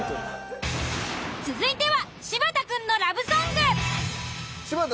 続いては柴田くんのラブソング。